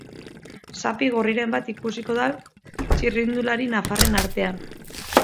Zapi gorriren bat ikusiko da txirrindulari nafarren artean.